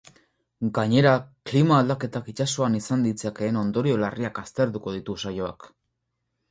Gainera, klima aldaketak itsasoan izan ditzakeen ondorio larriak aztertuko ditu saioak.